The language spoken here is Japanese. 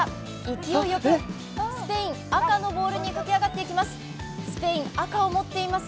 勢いよく、スペイン、赤のボールに駆け上がっていきます。